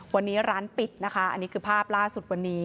วันนี้ร้านปิดนะคะอันนี้คือภาพล่าสุดวันนี้